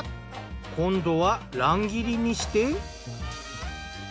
今度は乱切りにして。